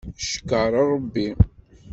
Ckeṛ Rebbi.